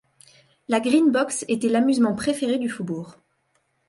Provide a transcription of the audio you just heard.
La Green-Box était l’amusement préféré du faubourg